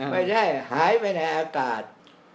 ไม่ใช่หายไปในอากาศ